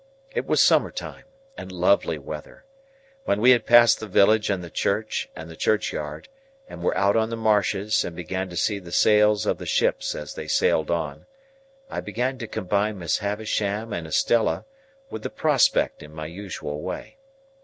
It was summer time, and lovely weather. When we had passed the village and the church and the churchyard, and were out on the marshes and began to see the sails of the ships as they sailed on, I began to combine Miss Havisham and Estella with the prospect, in my usual way.